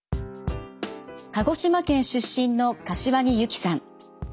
鹿児島県出身の柏木由紀さん。